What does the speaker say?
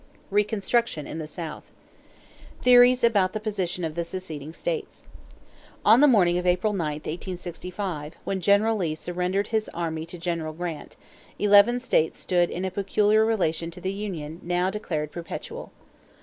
RECONSTRUCTION IN THE SOUTH =Theories about the Position of the Seceded States.= On the morning of April 9, 1865, when General Lee surrendered his army to General Grant, eleven states stood in a peculiar relation to the union now declared perpetual.